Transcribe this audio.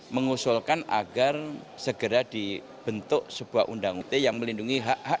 mengusulkan agar segera dibentuk sebuah undang undang yang melindungi hak hak